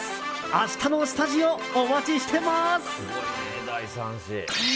明日のスタジオ、お待ちしてます。